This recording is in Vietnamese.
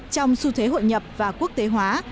trong xu thế hội nhập và quốc tế hóa